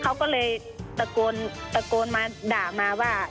เขาก็เลยตะโกนตะโกนมาด่ามาว่า